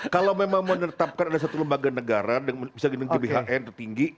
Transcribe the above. kalau memang menetapkan ada satu lembaga negara yang bisa gini tbih yang tertinggi